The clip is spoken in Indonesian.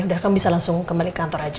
udah kamu bisa langsung kembali ke kantor aja